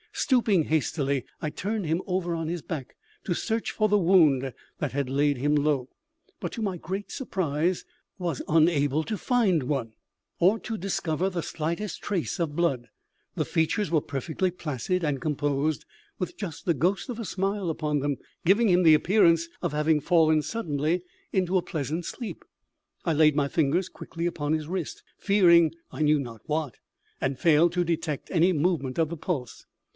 Stooping hastily, I turned him over on his back to search for the wound that had laid him low; but, to my great surprise, was unable to find one, or to discover the slightest trace of blood. The features were perfectly placid and composed, with just the ghost of a smile upon them, giving him the appearance of having fallen suddenly into a pleasant sleep. I laid my fingers quickly upon his wrist fearing I knew not what, and failed to detect any movement of the pulse.